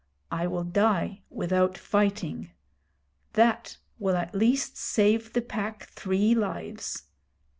I will die without fighting. That will at least save the Pack three lives.